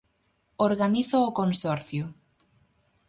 Organiza o Consorcio.